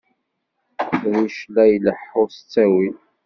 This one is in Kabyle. Leqdic la ileḥḥu s ttawil.